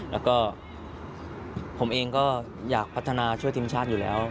แล้วก็ผมเองก็อยากพัฒนาช่วยทีมชาติอยู่แล้ว